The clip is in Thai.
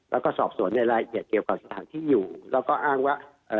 แล้วก็สอบสวนในรายละเอียดเกี่ยวกับสถานที่อยู่แล้วก็อ้างว่าเอ่อ